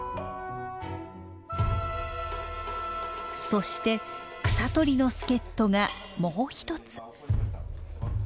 そして草取りの助っ人がもう一つ。